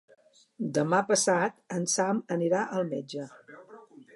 Demà passat en Sam anirà al metge.